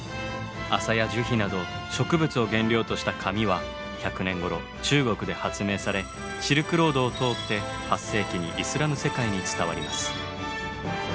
麻や樹皮など植物を原料とした紙は１００年ごろ中国で発明されシルクロードを通って８世紀にイスラム世界に伝わります。